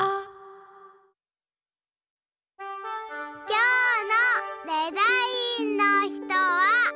きょうのデザインの人は。